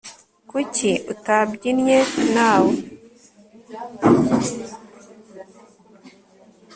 kuki utabyinnye nawe